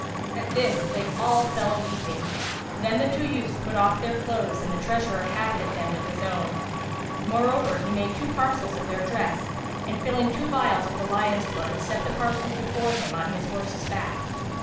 At this, they all fell a weeping; then the two youths put off their clothes and the treasurer habited them with his own. Moreover he made two parcels of their dress and, filling two vials with the lion's blood, set the parcels before him on his horse's back.